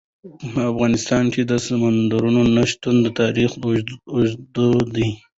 په افغانستان کې د سمندر نه شتون تاریخ اوږد دی.